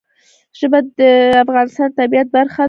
ژبې د افغانستان د طبیعت برخه ده.